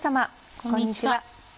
こんにちは。